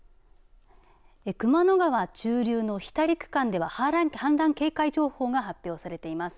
熊野川中流の日足区間では氾濫警戒情報が発表されています。